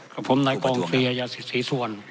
กับผมนายกองศรีริยาศิษธรีสวรรค์